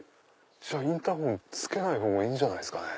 じゃあインターホンつけない方がいいんじゃないですかね。